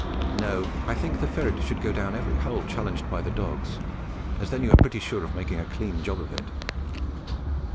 No, I think the ferret should go down every hole challenged by the dogs, as then you are pretty sure of making a clean job of it.